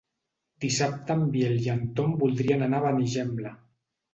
Dissabte en Biel i en Tom voldrien anar a Benigembla.